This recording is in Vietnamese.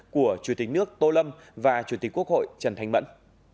của chủ tịch nước tô lâm và chủ tịch quốc hội trần thành minh